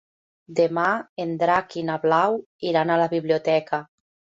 Demà en Drac i na Blau iran a la biblioteca.